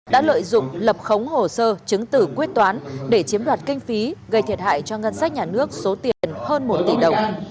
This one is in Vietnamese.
đã lợi dụng lập khống hồ sơ chứng tử quyết toán để chiếm đoạt kinh phí gây thiệt hại cho ngân sách nhà nước số tiền hơn một tỷ đồng